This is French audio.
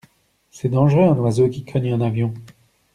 C'est dangereux un oiseau qui cogne un avion?